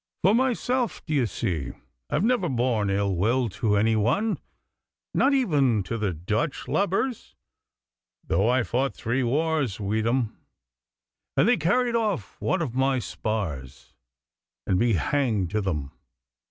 For myself, d'ye see, I've never borne ill will to any one, not even to the Dutch lubbers, though I fought three wars wi' them, and they carried off one of my spars, and be hanged to them!